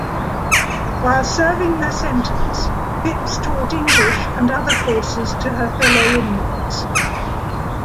While serving her sentence, Phipps taught English and other courses to her fellow inmates.